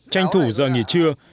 tranh thủ giờ nghỉ trưa